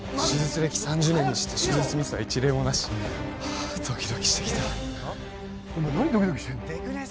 歴３０年にして手術ミスは一例もなしああドキドキしてきた何ドキドキしてるの？